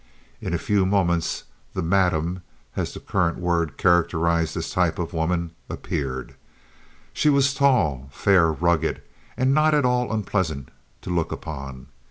In a few moments the "madam" as the current word characterized this type of woman, appeared. She was tall, fair, rugged, and not at all unpleasant to look upon.